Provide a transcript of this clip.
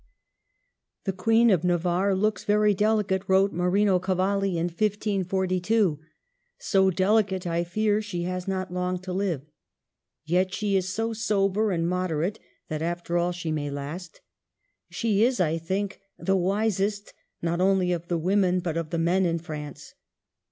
''The Queen of Navarre looks very delicate," wrote Marino Cavalli in 1542, — "so delicate, I fear she has not long to live. Yet she is so sober and moderate, that after all she may last. She is, I think, the wisest not only of the women but of the men in France.